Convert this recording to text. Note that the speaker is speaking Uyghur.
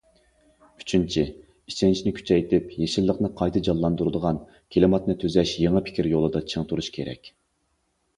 ئۈچىنچى، ئىشەنچنى كۈچەيتىپ، يېشىللىقنى قايتا جانلاندۇرىدىغان كىلىماتنى تۈزەش يېڭى پىكىر يولىدا چىڭ تۇرۇش كېرەك.